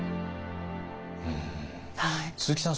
鈴木さん